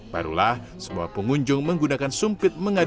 barulah semua pengunjung menggunakan sumpit mengadu